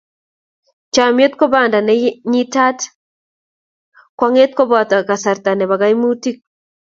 Chomnyet ko banda ne nyitaat kwong'eet koboto kasarta nebo kaimutiik.